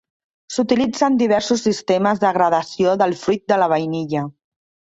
S"utilitzen diversos sistemes de gradació del fruit de la vainilla.